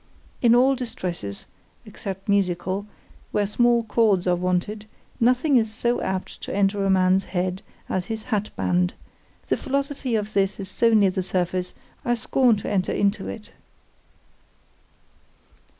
In all distresses (except musical) where small cords are wanted, nothing is so apt to enter a man's head as his hat band:——the philosophy of this is so near the surface——I scorn to enter into it.